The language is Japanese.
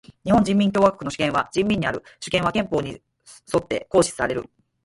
日本人民共和国の主権は人民にある。主権は憲法に則って行使される。